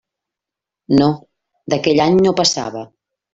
No; d'aquell any no passava.